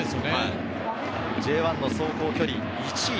Ｊ１の走行距離、１位。